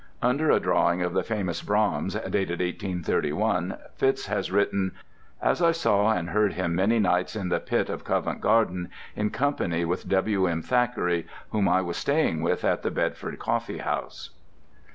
Under a drawing of the famous Braham, dated 1831, Fitz has written: "As I saw and heard him many nights in the Pit of Covent Garden, in company with W.M. Thackeray, whom I was staying with at the Bedford Coffee House."